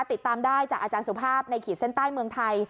ติดตามได้จากอาจารย์สุภาพในขีดเส้นใต้เมืองไทย